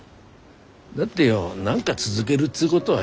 だってよ何が続げるっつうごどはよ